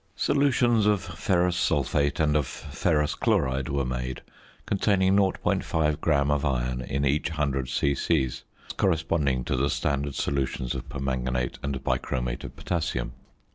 Solutions of ferrous sulphate and of ferrous chloride were made containing 0.5 gram of iron in each 100 c.c., thus corresponding to the standard solutions of permanganate and bichromate of potassium.